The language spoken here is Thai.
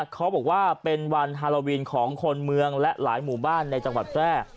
เขาบอกว่าเป็นวันฮาโลวินของคนเมืองและหลายหมู่บ้านในจังหวัดแพร่